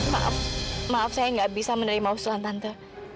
maaf maaf saya nggak bisa menerima usulan tante